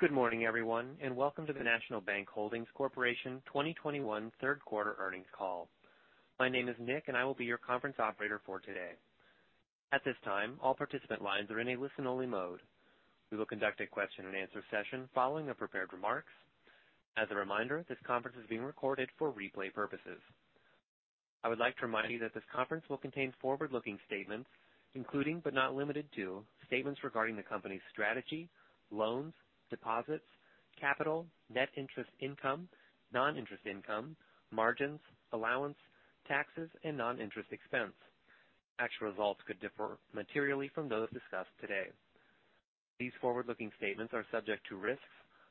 Good morning, everyone, and welcome to the National Bank Holdings Corporation 2021 third quarter earnings call. My name is Nick, and I will be your conference operator for today. At this time, all participant lines are in a listen-only mode. We will conduct a question and answer session following the prepared remarks. As a reminder, this conference is being recorded for replay purposes. I would like to remind you that this conference will contain forward-looking statements, including, but not limited to, statements regarding the company's strategy, loans, deposits, capital, net interest income, non-interest income, margins, allowance, taxes, and non-interest expense. Actual results could differ materially from those discussed today. These forward-looking statements are subject to risks,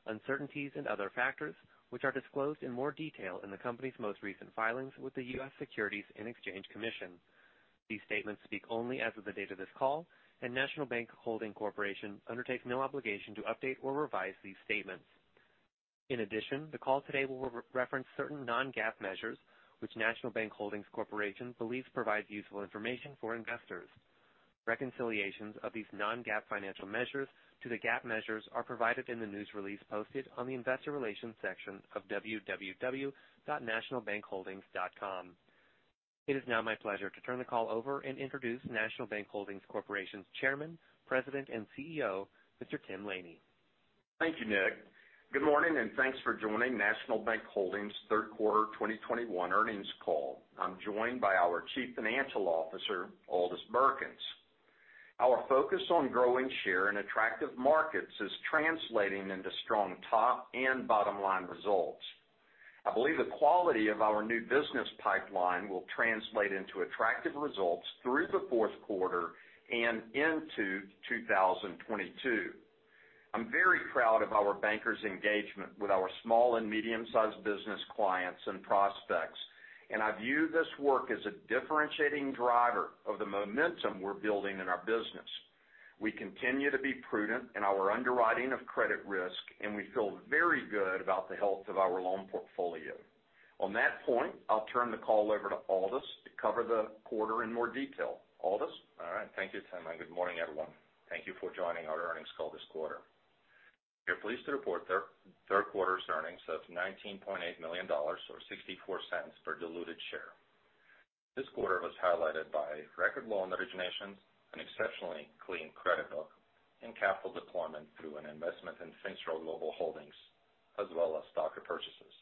uncertainties, and other factors, which are disclosed in more detail in the company's most recent filings with the U.S. Securities and Exchange Commission. These statements speak only as of the date of this call, and National Bank Holdings Corporation undertakes no obligation to update or revise these statements. In addition, the call today will reference certain non-GAAP measures, which National Bank Holdings Corporation believes provide useful information for investors. Reconciliations of these non-GAAP financial measures to the GAAP measures are provided in the news release posted on the investor relations section of www.nationalbankholdings.com. It is now my pleasure to turn the call over and introduce National Bank Holdings Corporation's Chairman, President, and CEO, Mr. Tim Laney. Thank you, Nick. Good morning, and thanks for joining National Bank Holdings' third quarter 2021 earnings call. I'm joined by our Chief Financial Officer, Aldis Birkans. Our focus on growing share in attractive markets is translating into strong top and bottom-line results. I believe the quality of our new business pipeline will translate into attractive results through the fourth quarter and into 2022. I'm very proud of our bankers' engagement with our small and medium-sized business clients and prospects, and I view this work as a differentiating driver of the momentum we're building in our business. We continue to be prudent in our underwriting of credit risk, and we feel very good about the health of our loan portfolio. On that point, I'll turn the call over to Aldis to cover the quarter in more detail. Aldis? All right. Thank you, Tim, and good morning, everyone. Thank you for joining our earnings call this quarter. We are pleased to report third quarter's earnings of $19.8 million, or $0.64 per diluted share. This quarter was highlighted by record loan originations, an exceptionally clean credit book, and capital deployment through an investment in Finstro Global Holdings, as well as stock repurchases.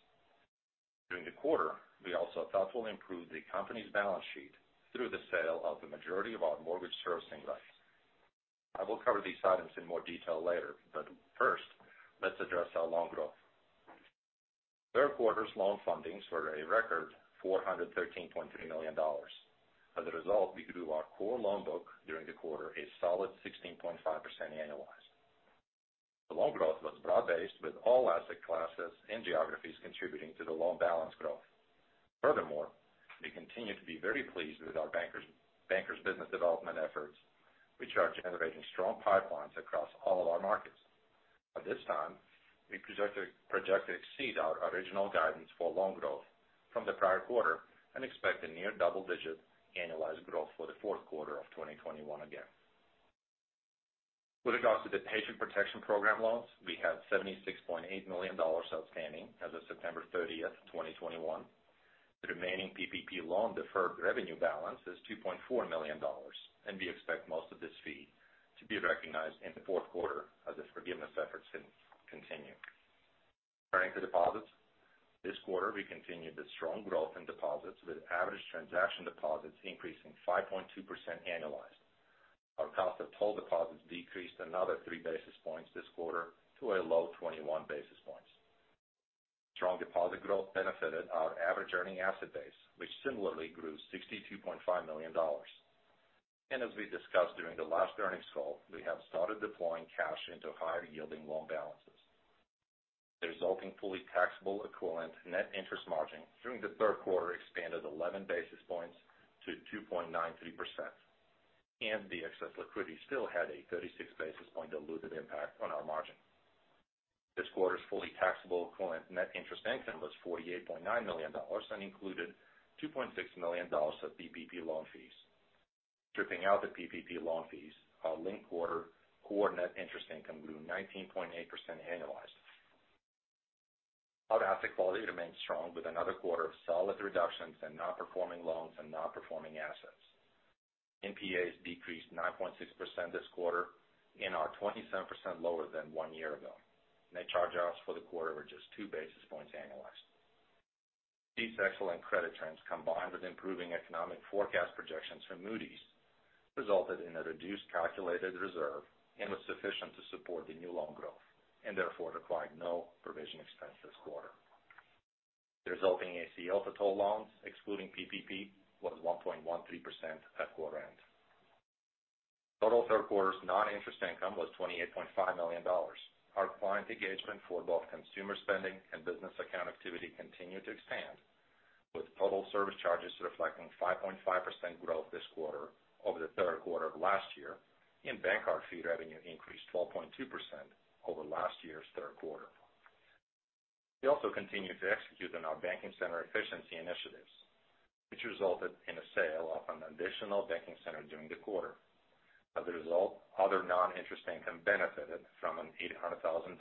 During the quarter, we also thoughtfully improved the company's balance sheet through the sale of the majority of our mortgage servicing rights. I will cover these items in more detail later, but first, let's address our loan growth. Third quarter's loan fundings were a record $413.3 million. As a result, we grew our core loan book during the quarter a solid 16.5% annualized. The loan growth was broad-based, with all asset classes and geographies contributing to the loan balance growth. Furthermore, we continue to be very pleased with our bankers' business development efforts, which are generating strong pipelines across all of our markets. At this time, we project to exceed our original guidance for loan growth from the prior quarter and expect a near double-digit annualized growth for the fourth quarter of 2021 again. With regard to the Paycheck Protection Program loans, we have $76.8 million outstanding as of September 30th, 2021. The remaining PPP loan deferred revenue balance is $2.4 million, and we expect most of this fee to be recognized in the fourth quarter as the forgiveness efforts continue. Turning to deposits. This quarter, we continued the strong growth in deposits, with average transaction deposits increasing 5.2% annualized. Our cost of total deposits decreased another 3 basis points this quarter to a low 21 basis points. Strong deposit growth benefited our average earning asset base, which similarly grew $62.5 million. As we discussed during the last earnings call, we have started deploying cash into higher-yielding loan balances. The resulting fully taxable equivalent net interest margin during the third quarter expanded 11 basis points to 2.93%, and the excess liquidity still had a 36 basis point dilutive impact on our margin. This quarter's fully taxable equivalent net interest income was $48.9 million and included $2.6 million of PPP loan fees. Stripping out the PPP loan fees, our linked-quarter core net interest income grew 19.8% annualized. Our asset quality remains strong with another quarter of solid reductions in non-performing loans and non-performing assets. NPAs decreased 9.6% this quarter and are 27% lower than one year ago. Net charge-offs for the quarter were just two basis points annualized. These excellent credit trends, combined with improving economic forecast projections from Moody's, resulted in a reduced calculated reserve and was sufficient to support the new loan growth, and therefore required no provision expense this quarter. The resulting ACL for total loans, excluding PPP, was 1.13% at quarter end. Total third quarter's non-interest income was $28.5 million. Our client engagement for both consumer spending and business account activity continued to expand, with total service charges reflecting 5.5% growth this quarter over the third quarter of last year, and bank card fee revenue increased 12.2% over last year's third quarter. We also continue to execute on our banking center efficiency initiatives, which resulted in a sale of an additional banking center during the quarter. As a result, other non-interest income benefited from an $800,000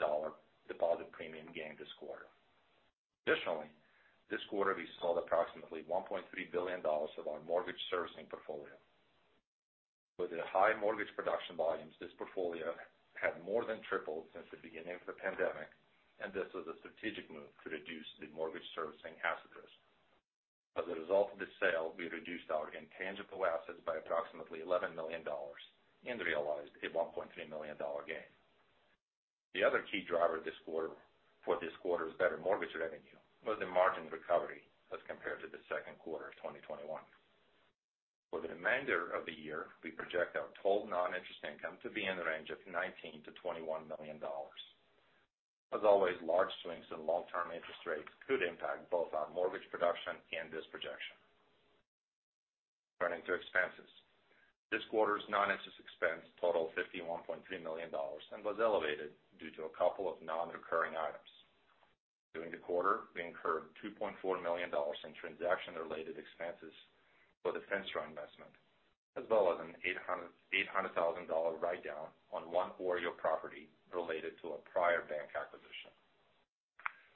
deposit premium gain this quarter. Additionally, this quarter we sold approximately $1.3 billion of our mortgage servicing portfolio. With the high mortgage production volumes, this portfolio had more than tripled since the beginning of the pandemic, and this was a strategic move to reduce the mortgage servicing asset risk. As a result of the sale, we reduced our intangible assets by approximately $11 million and realized a $1.3 million gain. The other key driver for this quarter's better mortgage revenue was the margin recovery as compared to the second quarter of 2021. For the remainder of the year, we project our total non-interest income to be in the range of $19 million-$21 million. As always, large swings in long-term interest rates could impact both our mortgage production and this projection. Turning to expenses. This quarter's non-interest expense totaled $51.3 million and was elevated due to a couple of non-recurring items. During the quarter, we incurred $2.4 million in transaction-related expenses for the Finstro investment, as well as an $800,000 write-down on one OREO property related to a prior bank acquisition.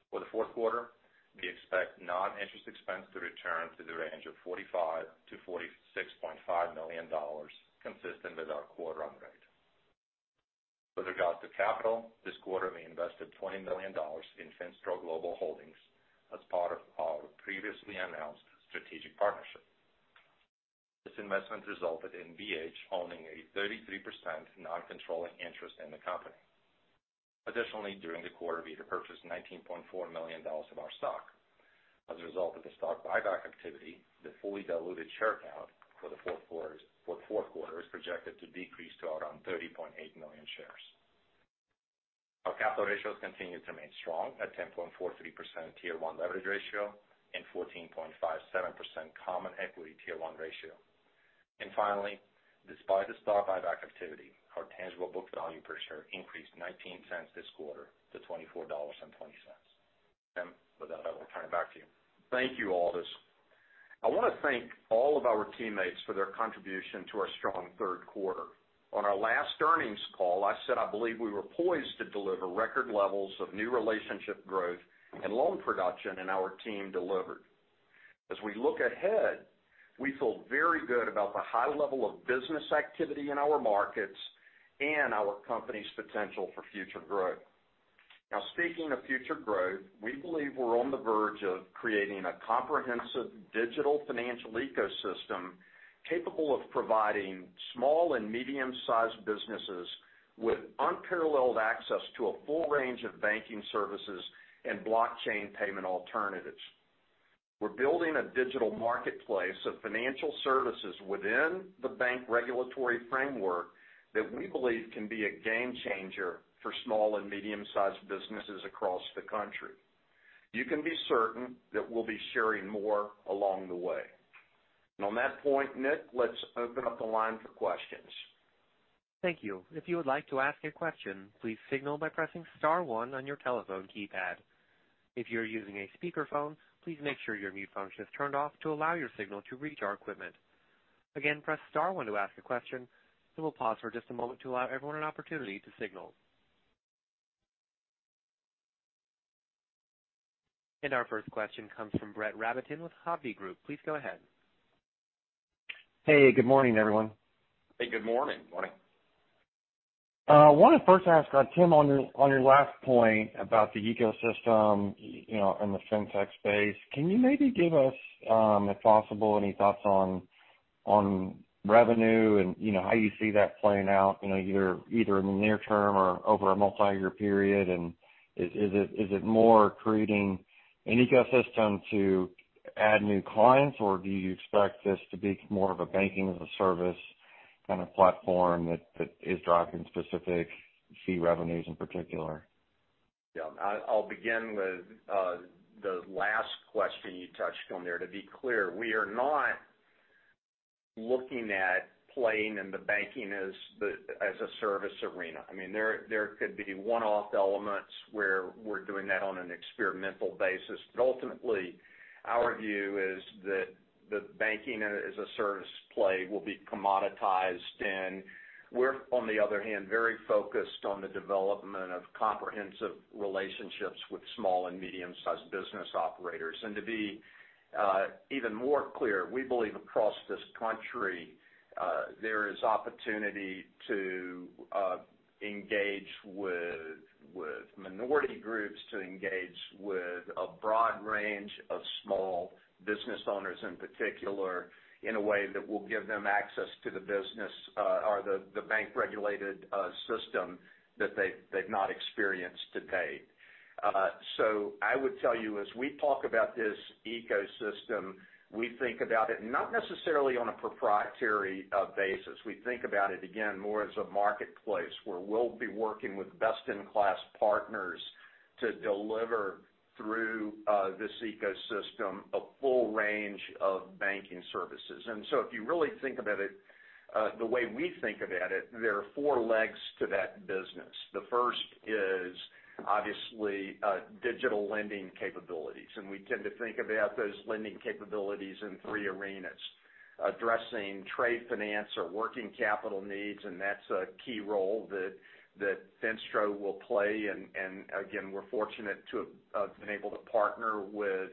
For the fourth quarter, we expect non-interest expense to return to the range of $45 million-$46.5 million, consistent with our quarter run rate. With regards to capital, this quarter we invested $20 million in Finstro Global Holdings as part of our previously announced strategic partnership. This investment resulted in NBH owning a 33% non-controlling interest in the company. Additionally, during the quarter, we repurchased $19.4 million of our stock. As a result of the stock buyback activity, the fully diluted share count for the fourth quarter is projected to decrease to around 30.8 million shares. Our capital ratios continue to remain strong at 10.43% Tier 1 leverage ratio and 14.57% Common Equity Tier 1 ratio. Finally, despite the stock buyback activity, our tangible book value per share increased $0.19 this quarter to $24.20. With that, I will turn it back to you. Thank you, Aldis. I want to thank all of our teammates for their contribution to our strong third quarter. On our last earnings call, I said I believe we were poised to deliver record levels of new relationship growth and loan production, and our team delivered. As we look ahead, we feel very good about the high level of business activity in our markets and our company's potential for future growth. Now, speaking of future growth, we believe we're on the verge of creating a comprehensive digital financial ecosystem capable of providing small and medium-sized businesses with unparalleled access to a full range of banking services and blockchain payment alternatives. We're building a digital marketplace of financial services within the bank regulatory framework that we believe can be a game changer for small and medium-sized businesses across the country. You can be certain that we'll be sharing more along the way. On that point, Nick, let's open up the line for questions. Thank you. If you would like to ask a question, please signal by pressing star one on your telephone keypad. If you're using a speakerphone, please make sure your mute function is turned off to allow your signal to reach our equipment. Again, press star one to ask a question. We will pause for just a moment to allow everyone an opportunity to signal. Our first question comes from Brett Rabatin with Hovde Group. Please go ahead. Hey, good morning, everyone. Hey, good morning. Morning. I wanted to first ask Tim, on your last point about the ecosystem and the fintech space, can you maybe give us, if possible, any thoughts on revenue and how you see that playing out either in the near term or over a multi-year period? Is it more creating an ecosystem to add new clients, or do you expect this to be more of a banking-as-a-service kind of platform that is driving specific fee revenues in particular? Yeah. I'll begin with the last question you touched on there. To be clear, we are not looking at playing in the banking as a service arena. There could be one-off elements where we're doing that on an experimental basis. Ultimately, our view is that the banking as a service play will be commoditized. We're, on the other hand, very focused on the development of comprehensive relationships with small and medium-sized business operators. To be even more clear, we believe across this country, there is opportunity to engage with minority groups, to engage with a broad range of small business owners in particular, in a way that will give them access to the business or the bank-regulated system that they've not experienced to date. I would tell you, as we talk about this ecosystem, we think about it not necessarily on a proprietary basis. We think about it, again, more as a marketplace where we'll be working with best-in-class partners to deliver through this ecosystem a full range of banking services. If you really think about it the way we think about it, there are four legs to that business. The first is obviously digital lending capabilities. We tend to think about those lending capabilities in three arenas. Addressing trade finance or working capital needs, that's a key role that Finstro will play. Again, we're fortunate to have been able to partner with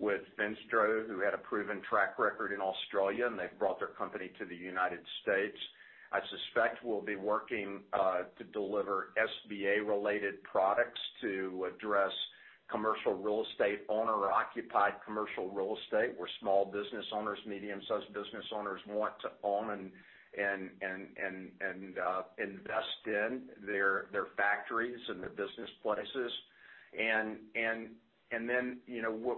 Finstro, who had a proven track record in Australia, and they've brought their company to the U.S. I suspect we'll be working to deliver SBA-related products to address commercial real estate, owner-occupied commercial real estate, where small business owners, medium-sized business owners want to own and invest in their factories and their business places.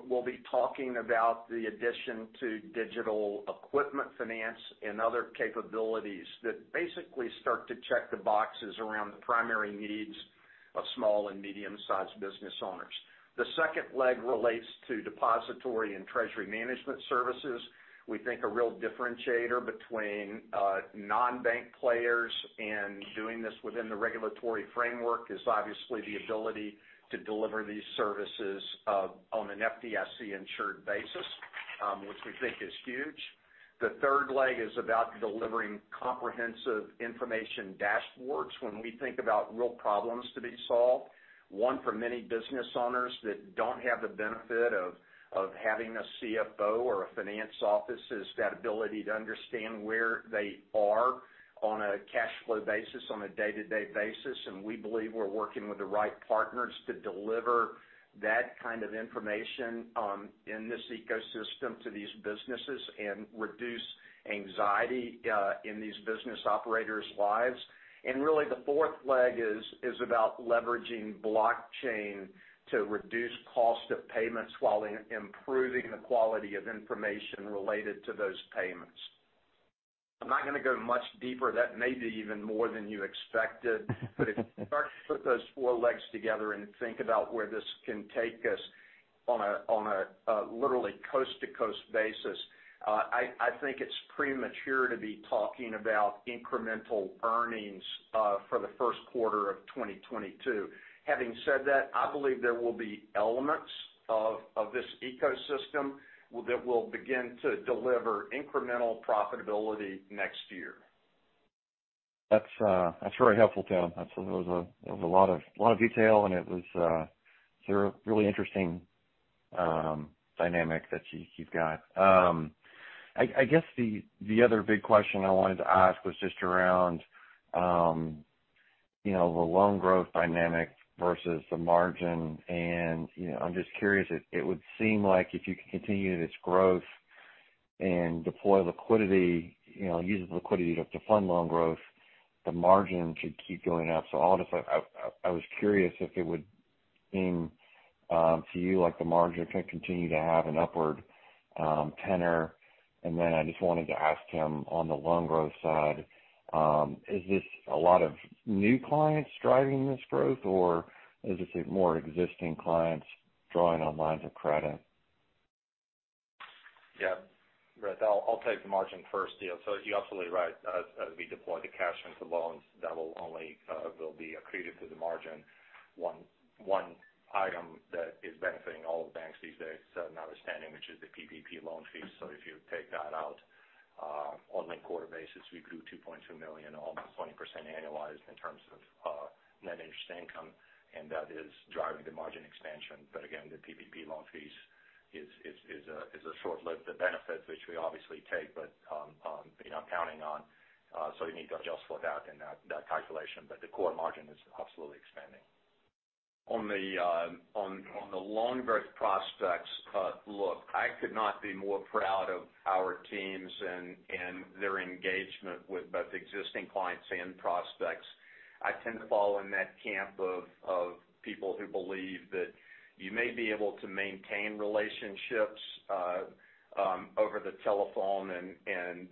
We'll be talking about the addition to digital equipment finance and other capabilities that basically start to check the boxes around the primary needs of small and medium-sized business owners. The second leg relates to depository and treasury management services. We think a real differentiator between non-bank players and doing this within the regulatory framework is obviously the ability to deliver these services on an FDIC-insured basis, which we think is huge. The third leg is about delivering comprehensive information dashboards. When we think about real problems to be solved, one for many business owners that don't have the benefit of having a CFO or a finance office, is that ability to understand where they are on a cash flow basis, on a day-to-day basis. We believe we're working with the right partners to deliver that kind of information in this ecosystem to these businesses and reduce anxiety in these business operators' lives. Really, the fourth leg is about leveraging blockchain to reduce cost of payments while improving the quality of information related to those payments. I'm not going to go much deeper. That may be even more than you expected. If you start to put those four legs together and think about where this can take us on a literally coast-to-coast basis, I think it's premature to be talking about incremental earnings for the first quarter of 2022. Having said that, I believe there will be elements of this ecosystem that will begin to deliver incremental profitability next year. That's very helpful, Tim. That was a lot of detail and it was a really interesting dynamic that you've got. I guess the other big question I wanted to ask was just around the loan growth dynamic versus the margin, and I'm just curious. It would seem like if you can continue this growth and deploy liquidity, use liquidity to fund loan growth, the margin should keep going up. I was curious if it would seem to you like the margin could continue to have an upward tenor. Then I just wanted to ask, Tim, on the loan growth side, is this a lot of new clients driving this growth, or is this more existing clients drawing on lines of credit? Brett, I'll take the margin first. You're absolutely right. As we deploy the cash into loans, that will only be accretive to the margin. One item that is benefiting all banks these days is not withstanding, which is the PPP loan fees. If you take that out on a quarter basis, we grew $2.2 million, almost 20% annualized in terms of net interest income, and that is driving the margin expansion. Again, the PPP loan fees is a short-lived benefit, which we obviously take but counting on. You need to adjust for that in that calculation. The core margin is absolutely expanding. On the loan growth prospects, look, I could not be more proud of our teams and their engagement with both existing clients and prospects. I tend to fall in that camp of people who believe that you may be able to maintain relationships over the telephone and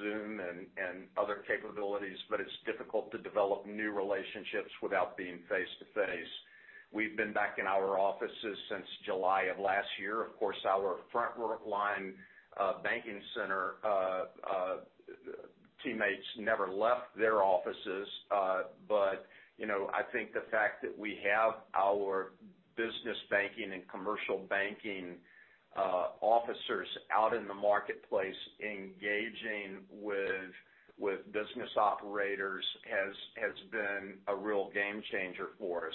Zoom and other capabilities. It's difficult to develop new relationships without being face-to-face. We've been back in our offices since July of last year. Of course, our front-line banking center teammates never left their offices. I think the fact that we have our business banking and commercial banking officers out in the marketplace engaging with business operators has been a real game changer for us.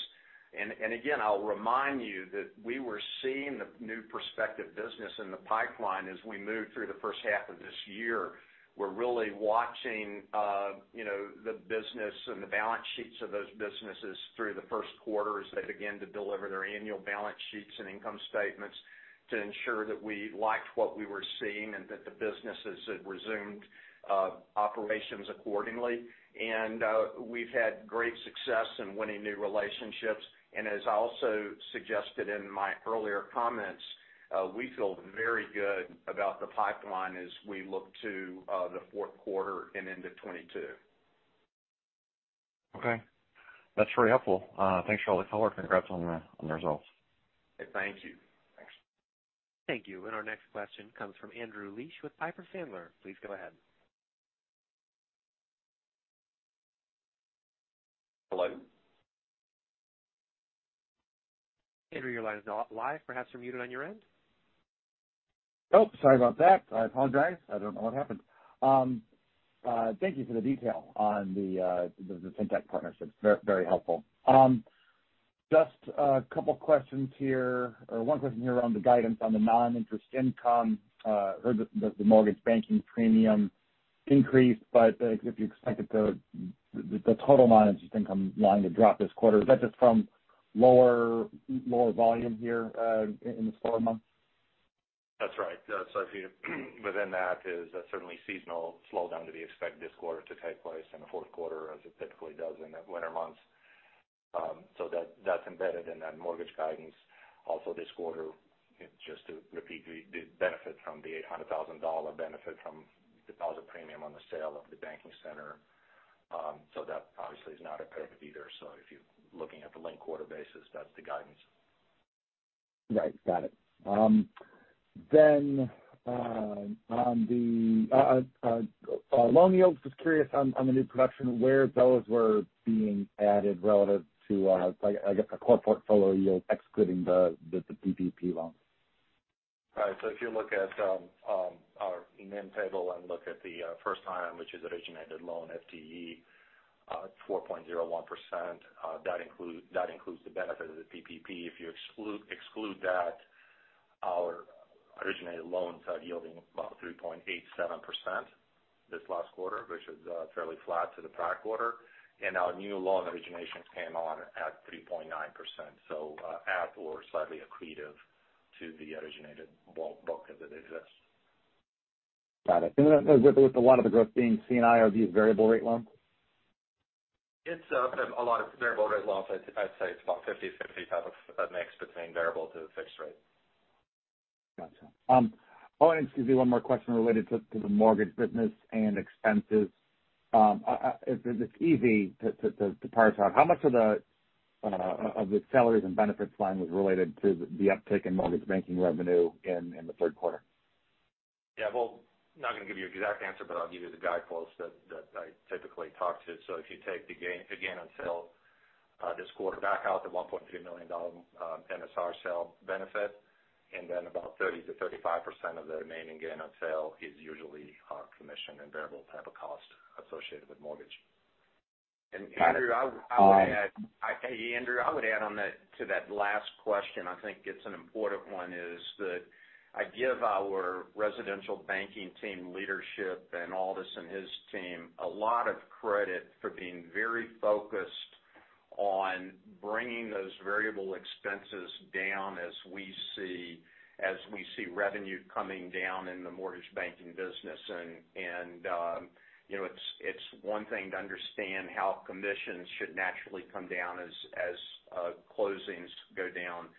Again, I'll remind you that we were seeing the new prospective business in the pipeline as we moved through the first half of this year. We're really watching the business and the balance sheets of those businesses through the first quarter as they begin to deliver their annual balance sheets and income statements to ensure that we liked what we were seeing and that the businesses had resumed operations accordingly. We've had great success in winning new relationships. As I also suggested in my earlier comments, we feel very good about the pipeline as we look to the fourth quarter and into 2022. Okay. That's very helpful. Thanks for all the color. Congrats on the results. Thank you. Thanks. Thank you. Our next question comes from Andrew Liesch with Piper Sandler. Please go ahead. Hello. Andrew, your line is now live. Perhaps you're muted on your end. Oh, sorry about that. I apologize. I don't know what happened. Thank you for the detail on the fintech partnerships. Very helpful. Just a couple questions here, or one question here around the guidance on the non-interest income. If you expect the total non-interest income line to drop this quarter, is that just from lower volume here in the slower months? That's right. Within that is certainly seasonal slowdown to be expected this quarter to take place in the fourth quarter as it typically does in the winter months. That's embedded in that mortgage guidance. Also this quarter, just to repeat, the benefit from the $800,000 benefit from deposit premium on the sale of the banking center. That obviously is not occurred either. If you're looking at the linked quarter basis, that's the guidance. Right. Got it. On the loan yields, just curious on the new production, where those were being added relative to a core portfolio yield excluding the PPP loans. Right. If you look at our NIM table and look at the first time, which is originated loan FTE, it's 4.01%. That includes the benefit of the PPP. If you exclude that, our originated loans are yielding about 3.87% this last quarter, which is fairly flat to the prior quarter. Our new loan originations came on at 3.9%, so at or slightly accretive to the originated loan book as it exists. Got it. With a lot of the growth being C&I, are these variable rate loans? It's a lot of variable rate loans. I'd say it's about 50/50 type of a mix between variable to fixed rate. Gotcha. I wanted to do one more question related to the mortgage business and expenses. If it's easy to parse out, how much of the salaries and benefits line was related to the uptick in mortgage banking revenue in the third quarter? Yeah. Well, not going to give you exact answer, but I'll give you the guideposts that I typically talk to. If you take the gain on sale this quarter, back out the $1.3 million MSR sale benefit, and then about 30%-35% of the remaining gain on sale is usually our commission and variable type of cost associated with mortgage. Got it. Andrew, I would add on to that last question. I think it's an important one, is that I give our residential banking team leadership and Aldis and his team a lot of credit for being very focused on bringing those variable expenses down as we see revenue coming down in the mortgage banking business. It's one thing to understand how commissions should naturally come down as closings go down.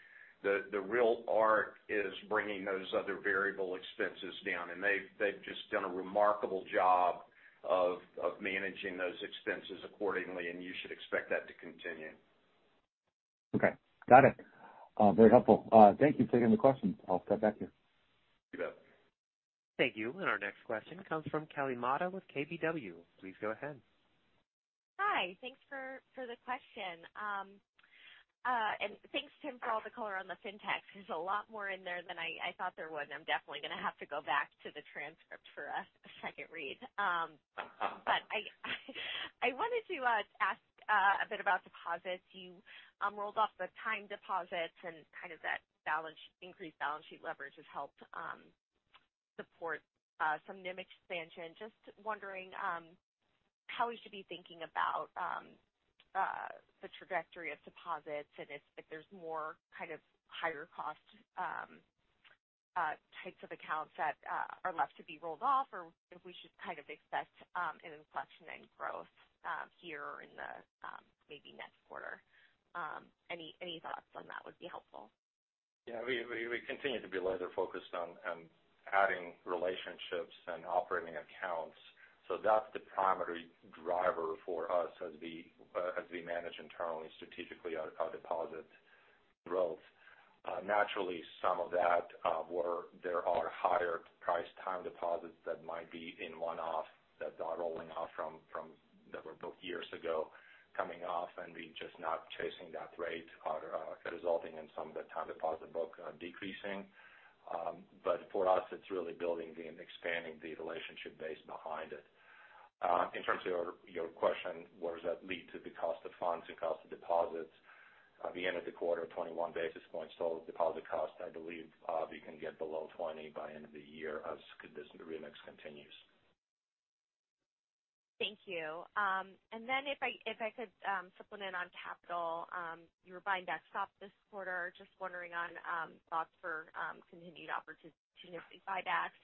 The real art is bringing those other variable expenses down, and they've just done a remarkable job of managing those expenses accordingly, and you should expect that to continue. Okay. Got it. Very helpful. Thank you for taking the question. I'll get back to you. You bet. Thank you. Our next question comes from Kelly Motta with KBW. Please go ahead. Hi. Thanks for the question. Thanks, Tim, for all the color on the fintech. There's a lot more in there than I thought there was, and I'm definitely going to have to go back to the transcript for a second read. I wanted to ask a bit about deposits. You rolled off the time deposits and kind of that increased balance sheet leverage has helped support some NIM expansion. Just wondering how we should be thinking about the trajectory of deposits and if there's more kind of higher cost types of accounts that are left to be rolled off or if we should kind of expect an inflection in growth here in the maybe next quarter. Any thoughts on that would be helpful. Yeah, we continue to be laser-focused on adding relationships and operating accounts. That's the primary driver for us as we manage internally, strategically our deposit growth. Naturally, some of that where there are higher priced time deposits that might be in one-off that are rolling off from, that were booked years ago, coming off and we just not chasing that rate, are resulting in some of the time deposit book decreasing. For us, it's really building and expanding the relationship base behind it. In terms of your question, where does that lead to the cost of funds and cost of deposits? At the end of the quarter, 21 basis points total deposit cost. I believe we can get below 20 by end of the year as this remix continues. Thank you. Then if I could supplement on capital. You were buying back stock this quarter. Just wondering on thoughts for continued opportunistic buybacks.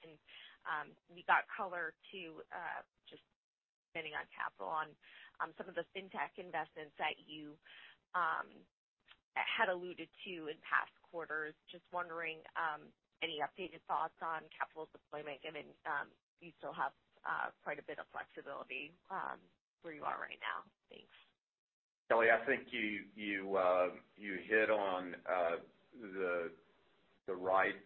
We got color too, just depending on capital on some of the fintech investments that you had alluded to in past quarters. Just wondering, any updated thoughts on capital deployment, given you still have quite a bit of flexibility where you are right now? Thanks. Kelly, I think you hit on the right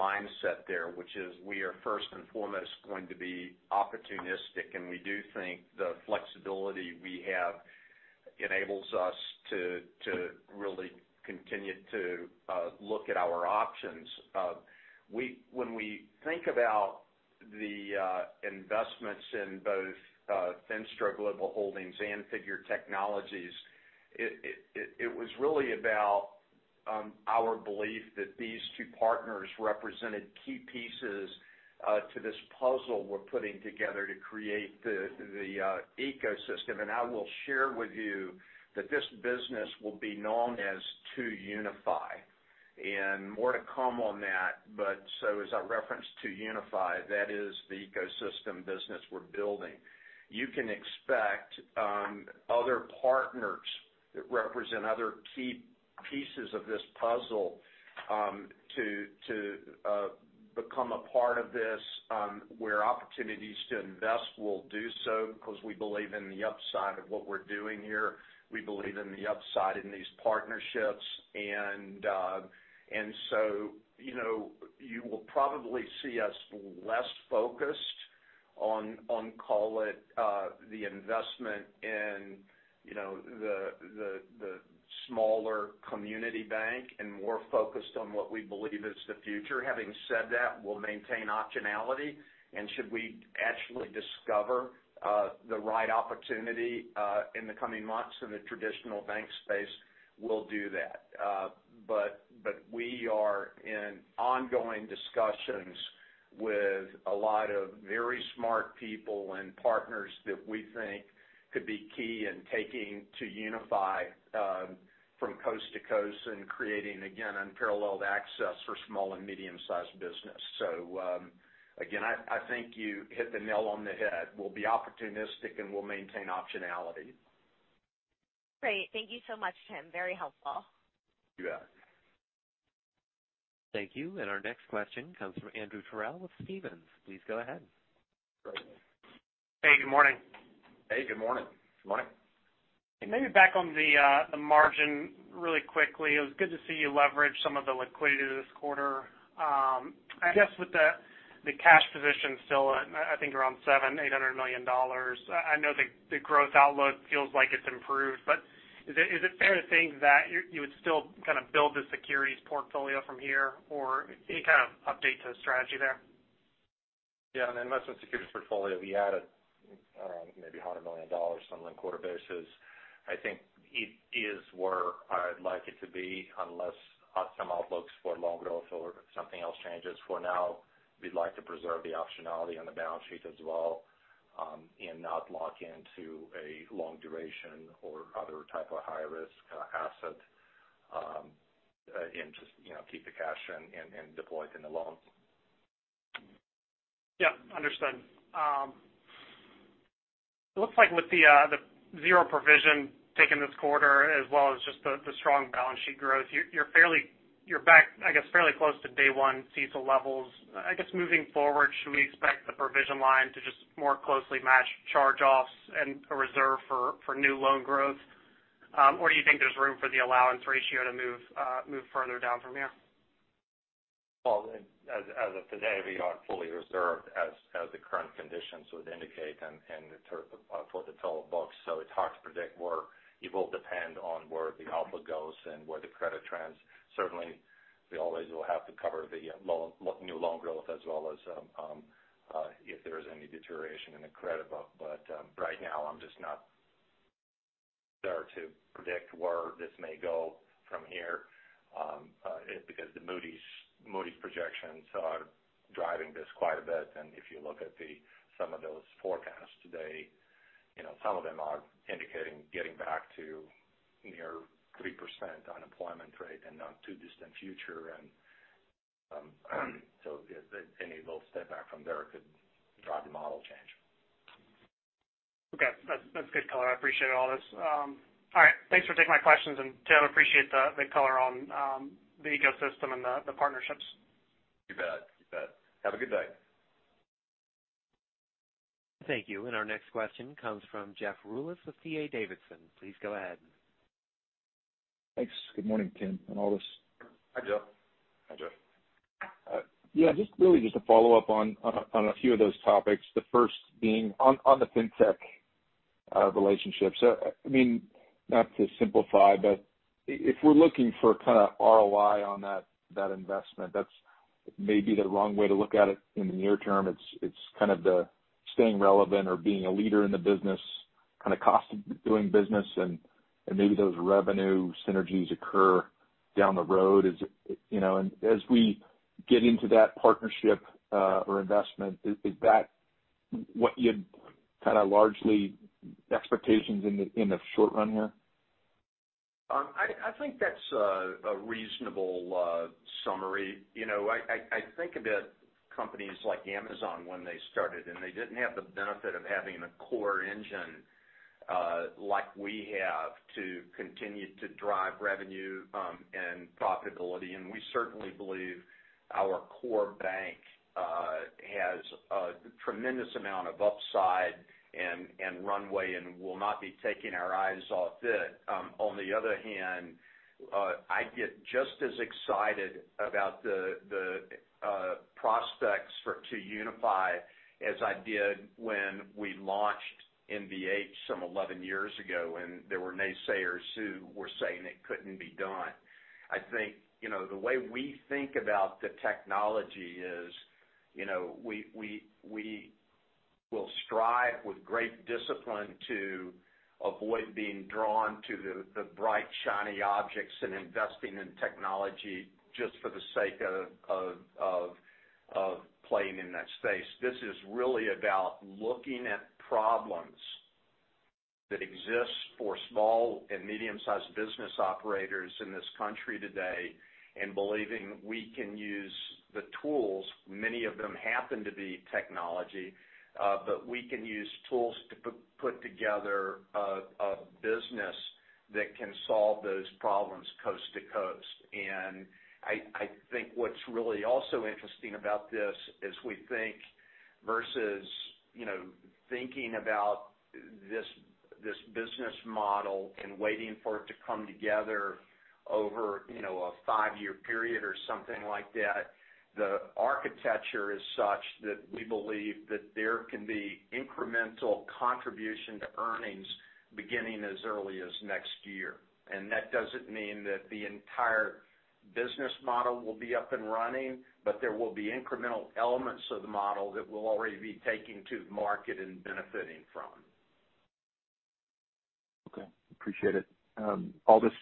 mindset there, which is we are first and foremost going to be opportunistic, and we do think the flexibility we have enables us to really continue to look at our options. When we think about the investments in both Finstro Global Holdings and Figure Technologies, it was really about our belief that these two partners represented key pieces to this puzzle we're putting together to create the ecosystem. I will share with you that this business will be known as 2UniFi and more to come on that. As I referenced 2UniFi, that is the ecosystem business we're building. You can expect other partners that represent other key pieces of this puzzle to become a part of this. Where opportunities to invest will do so because we believe in the upside of what we're doing here. We believe in the upside in these partnerships. You will probably see us less focused on, call it, the investment in the smaller community bank and more focused on what we believe is the future. Having said that, we'll maintain optionality. Should we actually discover the right opportunity in the coming months in the traditional bank space, we'll do that. We are in ongoing discussions with a lot of very smart people and partners that we think could be key in taking 2UniFi from coast to coast and creating, again, unparalleled access for small and medium-sized business. Again, I think you hit the nail on the head. We'll be opportunistic, and we'll maintain optionality. Great. Thank you so much, Tim. Very helpful. You bet. Thank you. Our next question comes from Andrew Terrell with Stephens. Please go ahead. Hey, good morning. Hey, good morning. Good morning. Maybe back on the margin really quickly. It was good to see you leverage some of the liquidity this quarter. I guess with the cash position still at, I think around $700 million-$800 million. I know the growth outlook feels like it's improved, but is it fair to think that you would still kind of build the securities portfolio from here or any kind of update to the strategy there? Yeah, on the investment securities portfolio, we added maybe $100 million on a linked quarter basis. I think it is where I'd like it to be, unless some outlooks for loan growth or something else changes. For now, we'd like to preserve the optionality on the balance sheet as well and not lock into a long duration or other type of high-risk asset and just keep the cash and deploy it in the loans. Yeah, understood. It looks like with the zero provision taken this quarter as well as just the strong balance sheet growth, you're back, I guess, fairly close to day one CECL levels. I guess moving forward, should we expect the provision line to just more closely match charge-offs and a reserve for new loan growth? Do you think there's room for the allowance ratio to move further down from here? As of today, we are fully reserved as the current conditions would indicate and for the full books. It's hard to predict where. It will depend on where the output goes and where the credit trends. Certainly, we always will have to cover the new loan growth as well as if there is any deterioration in the credit book. Right now, I'm just not there to predict where this may go from here because the Moody's projections are driving this quite a bit. If you look at some of those forecasts today, some of them are indicating getting back to near 3% unemployment rate in the not too distant future. Any little step back from there could drive the model change. Okay. That's good color. I appreciate all this. All right. Thanks for taking my questions. Tim, appreciate the color on the ecosystem and the partnerships. You bet. Have a good day. Thank you. Our next question comes from Jeff Rulis with D.A. Davidson. Please go ahead. Thanks. Good morning, Tim, and Aldis. Hi, Jeff. Hi, Jeff. Yeah, just really just a follow-up on a few of those topics. The first being on the fintech relationships. I mean, not to simplify, but if we're looking for kind of ROI on that investment, that's maybe the wrong way to look at it in the near term. It's kind of the staying relevant or being a leader in the business kind of cost of doing business and maybe those revenue synergies occur down the road. As we get into that partnership or investment, is that what you'd kind of largely expectations in the short run here? I think that's a reasonable summary. I think Companies like Amazon when they started, they didn't have the benefit of having a core engine like we have to continue to drive revenue and profitability. We certainly believe our core bank has a tremendous amount of upside and runway, we'll not be taking our eyes off it. On the other hand, I get just as excited about the prospects 2UniFi as I did when we launched NBH some 11 years ago, there were naysayers who were saying it couldn't be done. I think the way we think about the technology is we will strive with great discipline to avoid being drawn to the bright, shiny objects and investing in technology just for the sake of playing in that space. This is really about looking at problems that exist for small and medium-sized business operators in this country today and believing we can use the tools, many of them happen to be technology, but we can use tools to put together a business that can solve those problems coast to coast. I think what's really also interesting about this is we think versus thinking about this business model and waiting for it to come together over a five-year period or something like that. The architecture is such that we believe that there can be incremental contribution to earnings beginning as early as next year. That doesn't mean that the entire business model will be up and running, but there will be incremental elements of the model that we'll already be taking to the market and benefiting from. Okay. Appreciate it. Aldis,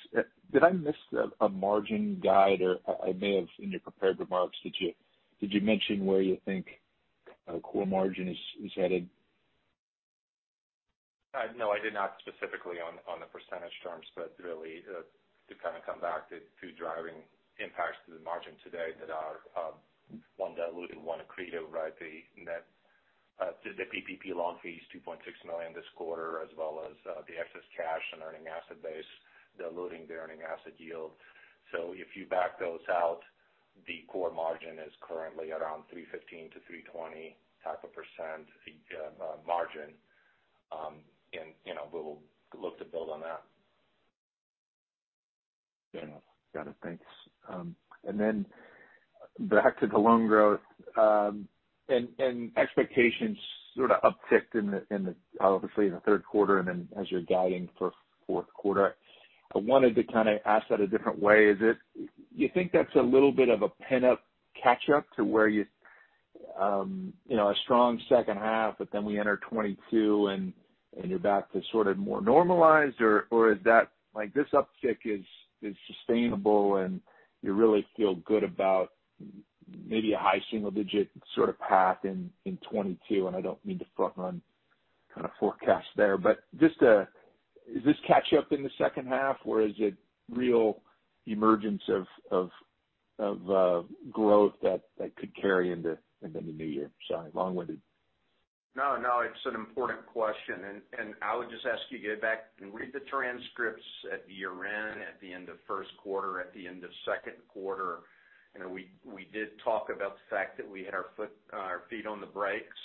did I miss a margin guide or I may have in your prepared remarks, did you mention where you think core margin is headed? No, I did not specifically on the percentage terms, but really to kind of come back to two driving impacts to the margin today that are one diluting, one accretive, right? The PPP loan fees, $2.6 million this quarter, as well as the excess cash and earning asset base, diluting the earning asset yield. If you back those out, the core margin is currently around 315%-320% type of %, margin. We will look to build on that. Got it. Thanks. Back to the loan growth, and expectations sort of upticked obviously in the third quarter and then as you're guiding for fourth quarter. I wanted to kind of ask that a different way. Do you think that's a little bit of a pent-up catch-up to where you have a strong second half, but then we enter 2022 and you're back to sort of more normalized, or is this uptick sustainable and you really feel good about maybe a high single-digit sort of path in 2022? I don't mean to front-run kind of forecast there. Is this catch-up in the second half or is it real emergence of growth that could carry into the new year? Sorry, long-winded. No, it's an important question. I would just ask you to go back and read the transcripts at year-end, at the end of first quarter, at the end of second quarter. We did talk about the fact that we had our foot, our feet on the brakes,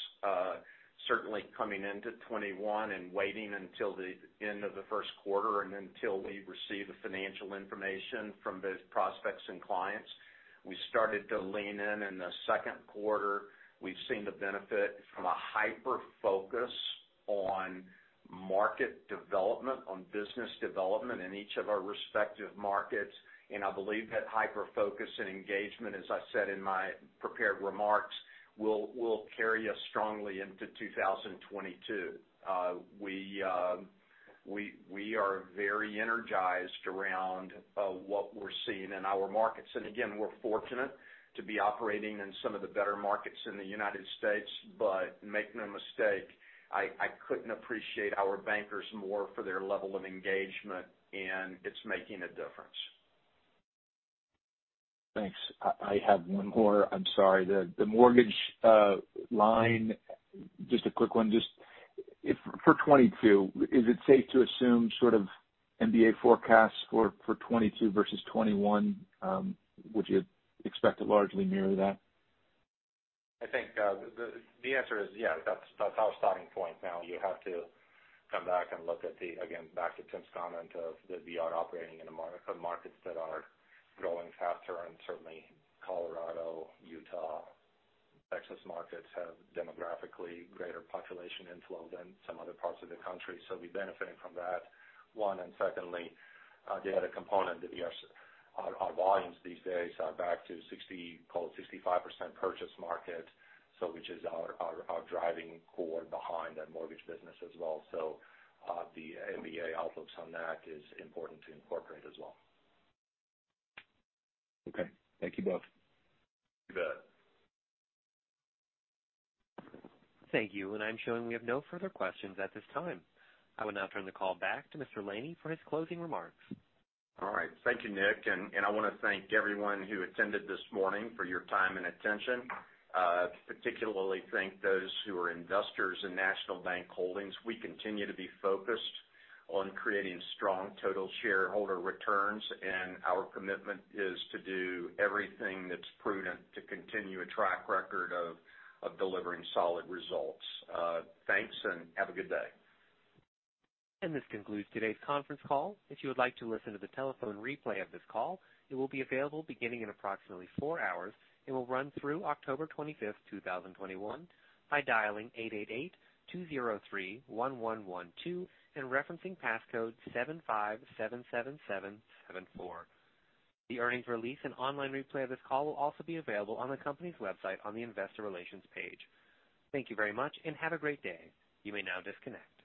certainly coming into 2021 and waiting until the end of the first quarter and until we received the financial information from both prospects and clients. We started to lean in in the second quarter. We've seen the benefit from a hyper-focus on market development, on business development in each of our respective markets. I believe that hyper-focus and engagement, as I said in my prepared remarks, will carry us strongly into 2022. We are very energized around what we're seeing in our markets. Again, we're fortunate to be operating in some of the better markets in the United States. Make no mistake, I couldn't appreciate our bankers more for their level of engagement, and it's making a difference. Thanks. I have one more. I'm sorry. The mortgage line, just a quick one. Just for 2022, is it safe to assume sort of MBA forecasts for 2022 versus 2021? Would you expect to largely mirror that? I think, the answer is yes. That's our starting point. You have to come back and look at the, again, back to Tim's comment of that we are operating in markets that are growing faster, and certainly Colorado, Utah, Texas markets have demographically greater population inflow than some other parts of the country, so we're benefiting from that, One, and secondly, the other component that our volumes these days are back to 60, call it 65% purchase market, which is our driving core behind that mortgage business as well. The MBA outlooks on that is important to incorporate as well. Okay. Thank you both. You bet. Thank you. I'm showing we have no further questions at this time. I will now turn the call back to Mr. Laney for his closing remarks. All right. Thank you, Nick. I want to thank everyone who attended this morning for your time and attention. Particularly thank those who are investors in National Bank Holdings. We continue to be focused on creating strong total shareholder returns, and our commitment is to do everything that's prudent to continue a track record of delivering solid results. Thanks, and have a good day. This concludes today's conference call. If you would like to listen to the telephone replay of this call, it will be available beginning in approximately 4 hours and will run through October 25th, 2021 by dialing 888-203-1112 and referencing passcode 7577774. The earnings release and online replay of this call will also be available on the company's website on the investor relations page. Thank you very much and have a great day. You may now disconnect.